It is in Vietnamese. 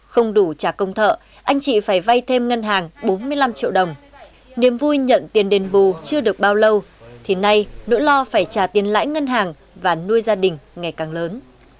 không đủ trả công thợ anh chị phải vay thêm ngân hàng bốn mươi năm triệu đồng niềm vui nhận tiền đền bù chưa được bao lâu thì nay nỗi lo phải trả tiền lãi ngân hàng và nuôi gia đình ngày càng lớn